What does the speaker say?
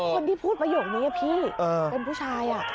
คนที่พูดประโยคนี้พี่เป็นผู้ชาย